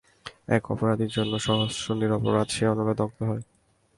এক অপরাধীর জন্য সহস্র নিরপরাধ সে অনলে দগ্ধ হয়।